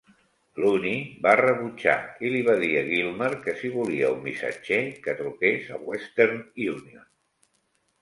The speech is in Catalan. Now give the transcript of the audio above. Looney va rebutjar i li va dir a Gilmer que si volia un missatger, que truqués a Western Union.